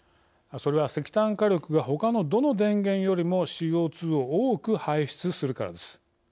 それは石炭火力がほかのどの電源よりもＣＯ２を多く排出するからです。